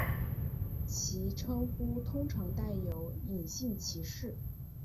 其称呼通常带有隐性歧视。